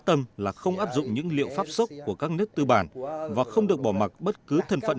tâm là không áp dụng những liệu pháp sốc của các nước tư bản và không được bỏ mặc bất cứ thân phận